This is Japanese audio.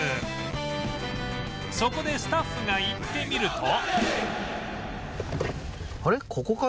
そこでスタッフが行ってみると